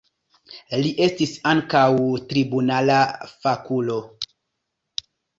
Li estis ankaŭ tribunala fakulo.